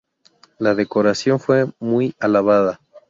La decoración fue muy alabada.